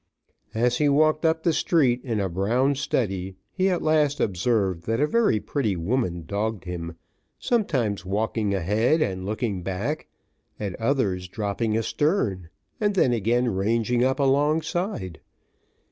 As he walked up the street in a brown study, he at last observed that a very pretty woman dogged him, sometimes walking a head and looking back, at others dropping astern, and then again ranging up alongside.